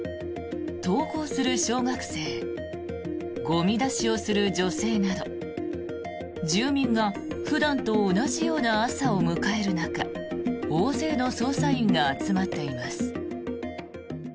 登校する小学生ゴミ出しをする女性など住民が普段と同じような朝を迎える中大勢の捜査員が集まっています。